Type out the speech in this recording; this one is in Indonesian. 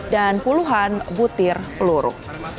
dan puluhan butir peluru